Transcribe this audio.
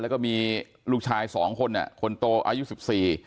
แล้วก็มีลูกชายสองคนอ่ะคนโตอายุสิบสี่